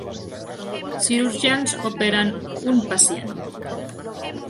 Cirurgians operen un pacient.